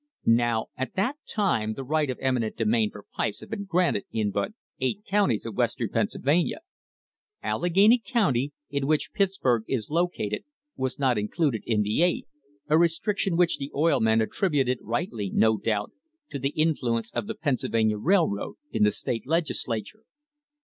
Now at that time the right of eminent domain for pipes had been granted in but eight counties of Western Pennsylvania. Allegheny County, in which Pittsburg is located, was not included in the eight, a restriction which the oil men attributed rightly, no doubt, to the influence of the Pennsylvania Railroad in the State Legislature.